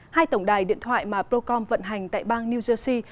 hai tổng đài điện thoại mà procom vận hành tại bang new jersey